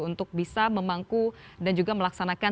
untuk bisa memangku dan juga melakukan pekerjaan